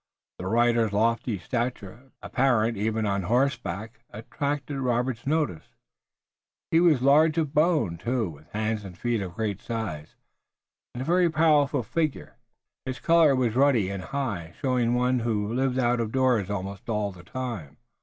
The rider's lofty stature, apparent even on horseback, attracted Robert's notice. He was large of bone, too, with hands and feet of great size, and a very powerful figure. His color was ruddy and high, showing one who lived out of doors almost all the time.